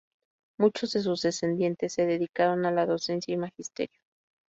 Muchos de sus descendientes se dedicaron a la docencia y magisterio.